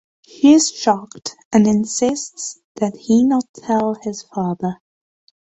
She is shocked and insists that he not tell his father.